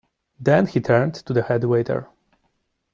Then he turned to the head waiter.